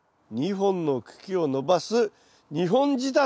２本の茎を伸ばす２本仕立て！